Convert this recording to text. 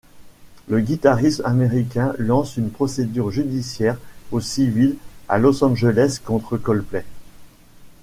Le guitariste américain lance une procédure judiciaire au civil à Los Angeles contre Coldplay.